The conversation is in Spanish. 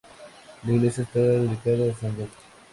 La iglesia está dedicada a San Roque.